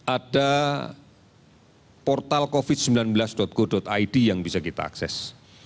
ada portal covid sembilan belas go id yang bisa kita akses